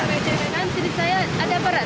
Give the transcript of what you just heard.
kan jadi saya ada peran